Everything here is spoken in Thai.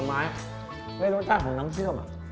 เนี้ยรู้จักของน้ำที่ออกอ่ะ